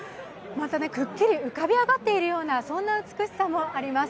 くっきり浮かび上がっているようなそんな美しさもあります。